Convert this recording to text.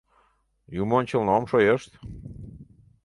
Юмончылно ом шойышт.